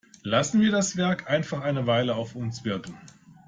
Lassen wir das Werk einfach eine Weile auf uns wirken!